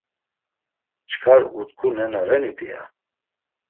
Çkar utku nena reni p̆ia?